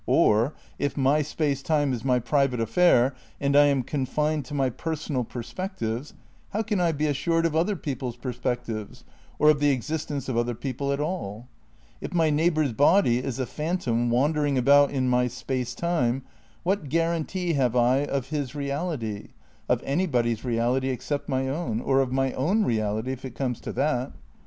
Or, if my space time is my private affair and I am confined to my personal perspectives, how can I be assured of other people's perspectives, or of the exist ence of other people at all? If my neighbour's body is a phantom wandering about in my space time, what guarantee have I of his reality, of anybody's reality except my own, or of my own reality, if it comes to that?